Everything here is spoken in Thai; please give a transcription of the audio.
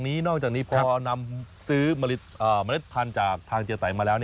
นอกจากนี้พอนำซื้อเมล็ดพันธุ์จากทางเจีไตมาแล้ว